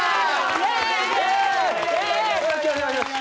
イエーイ！